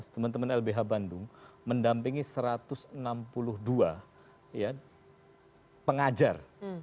teman teman lbh bandung mendampingi satu ratus enam puluh dua pengajar